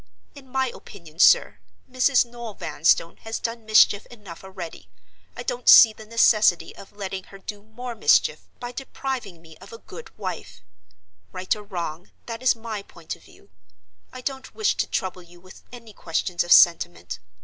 In my opinion, sir, Mrs. Noel Vanstone has done mischief enough already. I don't see the necessity of letting her do more mischief, by depriving me of a good wife. Right or wrong, that is my point of view. I don't wish to trouble you with any questions of sentiment.